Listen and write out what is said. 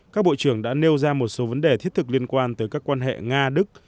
các bộ trưởng đã nêu ra một số vấn đề thiết thực liên quan tới các quan hệ nga đức